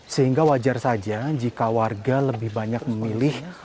sehingga wajar saja jika warga lebih banyak memilih